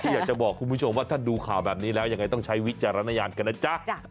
อยากจะบอกคุณผู้ชมว่าถ้าดูข่าวแบบนี้แล้วยังไงต้องใช้วิจารณญาณกันนะจ๊ะ